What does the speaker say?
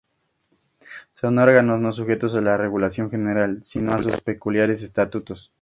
Son órganos no sujetos a la regulación general, sino a sus peculiares Estatutos.